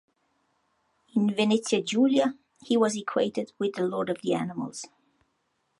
In Venezia Giulia, he was equated with the Lord of the Animals.